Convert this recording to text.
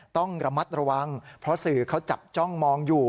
ต้องระมัดระวังเพราะสื่อเขาจับจ้องมองอยู่